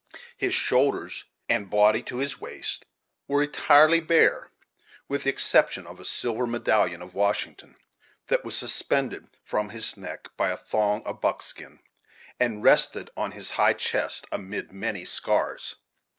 His shoulders, and body to his waist, were entirely bare, with the exception of a silver medallion of Washington, that was suspended from his neck by a thong of buckskin, and rested on his high chest, amid many scars.